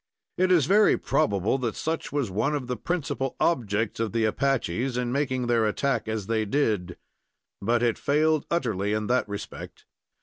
It is very probable that such was one of the principal objects of the Apaches in making their attack as they did; but it failed utterly in that respect.